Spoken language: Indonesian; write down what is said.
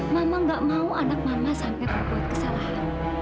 mama nggak mau anak mama sampai membuat kesalahan